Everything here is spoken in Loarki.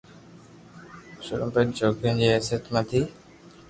شرو ٻن ڇوڪرن جي حيثيت سان ٿي،